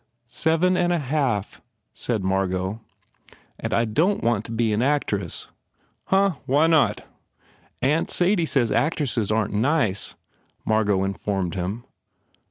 "Seven and a half," said Margot, "and I don t want to be an actress." "Huh. Why not?" "Aunt Sadie says actresses aren t nice," Margot informed him.